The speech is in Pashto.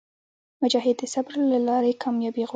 مجاهد د صبر له لارې کاميابي غواړي.